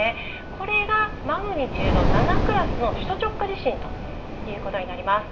これがマグニチュード７クラスの首都直下地震ということになります。